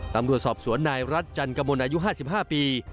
ตำรวจสอบสวนนายรัฐจันกมลอายุ๕๕ปี